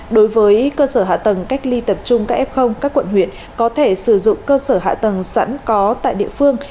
đối với cơ sở hạ tầng cách ly tập trung các f các quận huyện có thể sử dụng cơ sở hạ tầng sẵn có tại địa phương